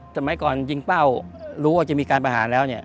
สมัยก่อนยิงเป้ารู้ว่าจะมีการประหารแล้วเนี่ย